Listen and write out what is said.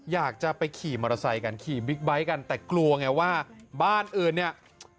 อยากจะไปขี่มอเตอร์ไซค์กันขี่บิ๊กไบท์กันแต่กลัวไงว่าบ้านอื่นเนี่ย